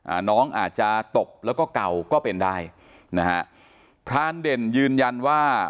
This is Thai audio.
อ่าน้องอาจจะตบแล้วก็เก่าก็เป็นได้นะฮะพรานเด่นยืนยันว่า